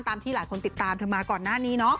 ที่หลายคนติดตามเธอมาก่อนหน้านี้เนาะ